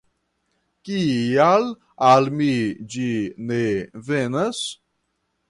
Kial al mi ĝi ne venas?